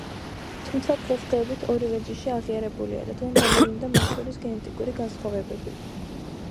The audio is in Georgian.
თუმცა დღესდღეობით ორივე ჯიში აღიარებულია, რადგან გამოვლინდა მათ შორის გენეტიკური განსხვავებები.